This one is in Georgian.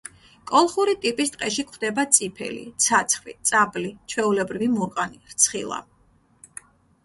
კოლხური ტიპის ტყეში გვხვდება წიფელი, ცაცხვი, წაბლი, ჩვეულებრივი მურყანი, რცხილა.